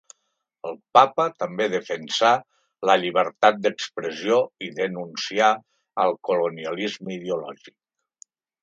El papa també defensà ‘la llibertat d’expressió’ i denuncià ‘el colonialisme ideològic’.